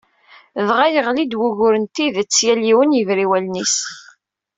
Dɣa yeɣli-d wugur n tidet, yal yiwen yebra i wallen-is.